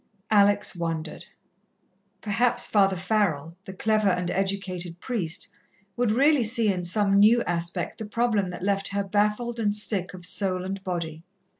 Alex wondered. Perhaps Father Farrell, the clever and educated priest, would really see in some new aspect the problem that left her baffled and sick of soul and body.